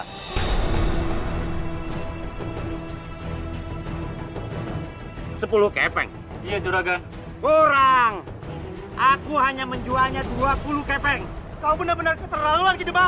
sepuluh keping iya curaga kurang aku hanya menjualnya dua puluh keping kau benar benar keterlaluan gitu bang